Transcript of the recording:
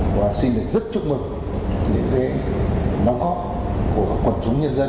và xin được rất chúc mừng về cái đóng góp của quân chúng nhân dân